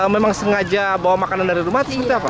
memang sengaja bawa makanan dari rumah atau seperti apa